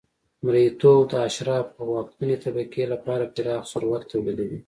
مریتوب د اشرافو او واکمنې طبقې لپاره پراخ ثروت تولیدوي